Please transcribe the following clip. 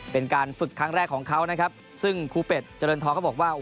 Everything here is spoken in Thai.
เป็นการฝึกครั้งแรกของเขานะครับซึ่งครูเป็ดเจริญทองก็บอกว่า